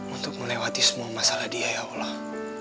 untuk melewati semua masalah dia ya allah